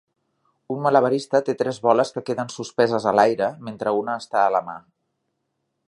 Un malabarista té tres boles que queden suspeses a l'aire mentre una està a la mà.